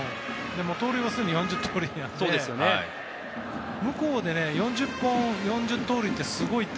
盗塁はすでに４０盗塁なので向こうで４０本、４０盗塁ってすごいと。